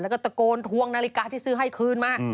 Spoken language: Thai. แล้วก็ตะโกนทวงนาฬิกาที่ซื้อให้คืนมา